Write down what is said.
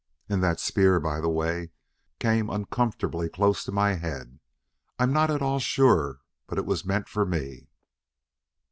And that spear, by the way, came uncomfortably close to my head. I'm not at all sure but it was meant for me."